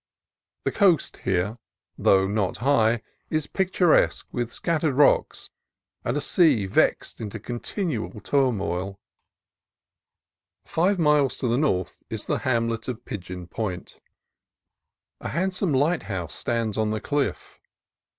The coast here, though not high, is pictur esque with scattered rocks and a sea vexed into con tinual turmoil. Five miles to the north is the hamlet of Pigeon 236 CALIFORNIA COAST TRAILS Point. A handsome lighthouse stands on the cliff.